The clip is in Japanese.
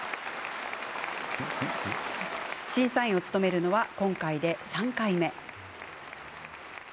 審査員を務めるのは今回で３回目。